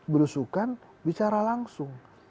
berusukan bicara langsung